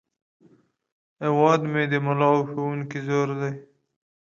هیواد مې د ملا او ښوونکي زور دی